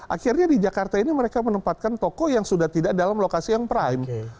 akhirnya di jakarta ini mereka menempatkan toko yang sudah tidak dalam lokasi yang prime